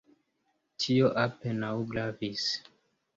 Tio apenaŭ gravis.